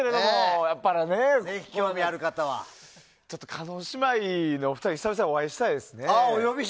叶姉妹のお二人久々にお会いしたいですね。